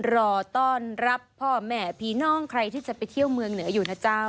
รอต้อนรับพ่อแม่พี่น้องใครที่จะไปเที่ยวเมืองเหนืออยู่นะเจ้า